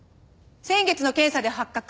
先月の検査で発覚。